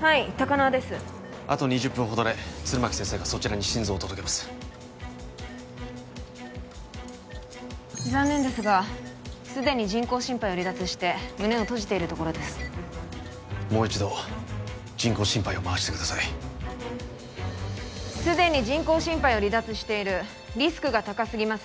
はい高輪ですあと２０分ほどで弦巻先生がそちらに心臓を届けます残念ですがすでに人工心肺を離脱して胸を閉じているところですもう一度人工心肺を回してくださいすでに人工心肺を離脱しているリスクが高すぎます